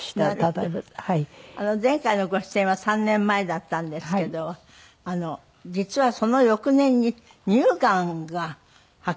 前回のご出演は３年前だったんですけど実はその翌年に乳がんが発覚したんですって？